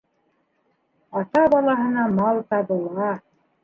Ата балаһына мал табыла.